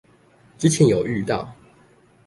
之前有遇到